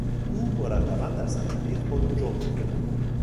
او مرتبا در صندلی خود جم میخورد.